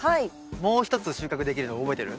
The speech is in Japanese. もう一つ収穫できるの覚えてる？